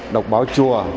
đọc báo chùa